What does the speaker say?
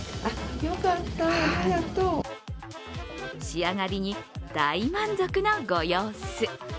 仕上がりに大満足のご様子。